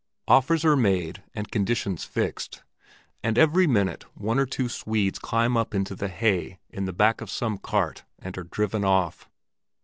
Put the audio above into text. Offers are made and conditions fixed, and every minute one or two Swedes climb up into the hay in the back of some cart, and are driven off.